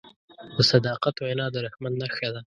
د صداقت وینا د رحمت نښه ده.